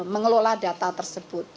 mengelola data tersebut